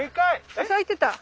咲いてた！